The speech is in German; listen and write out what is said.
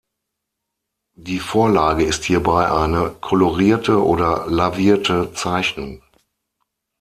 Die Vorlage ist hierbei eine kolorierte oder lavierte Zeichnung.